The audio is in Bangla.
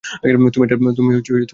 তুমি এটার ভিতরে ছিলে?